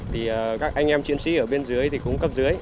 thì các anh em chiến sĩ ở bên dưới thì cũng cấp dưới